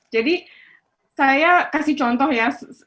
jadi saya kasih contoh ya